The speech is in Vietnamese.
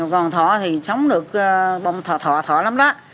còn thọ thì sống được bông thọ thọ thọ lắm đó